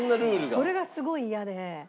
それがすごい嫌で。